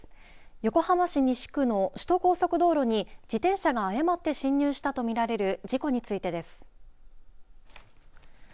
横浜市西区の首都高速道路に自転車が誤って進入したと見られる事故についてです。